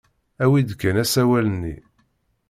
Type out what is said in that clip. Awi-d kan asawal-nni.